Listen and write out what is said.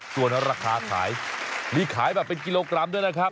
ส่วนราคาขายมีขายแบบเป็นกิโลกรัมด้วยนะครับ